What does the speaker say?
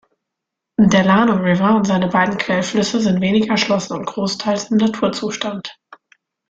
Der Llano River und seine beiden Quellflüsse sind wenig erschlossen und großteils im Naturzustand.